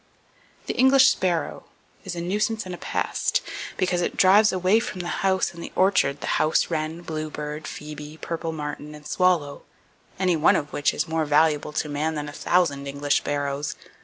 The English Sparrow is a nuisance and a pest, because it drives away from the house and the orchard the house wren, bluebird, phoebe, purple martin and swallow, any one of which is more valuable to man than a thousand English sparrows.